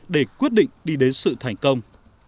để quyết định đi đến sự thành công